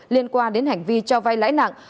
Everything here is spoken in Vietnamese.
liên quan đến hành vi cho vay lãi nặng